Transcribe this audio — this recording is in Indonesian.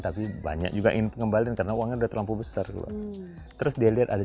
tapi banyak juga ingin pengembalian karena uangnya udah terlampau besar terus dia lihat ada